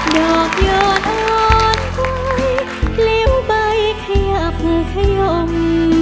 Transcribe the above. ดอกยอดอ่อนกว้ายลิ้วใบขยับขยม